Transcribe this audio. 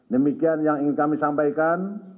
demikian yang ingin kami sampaikan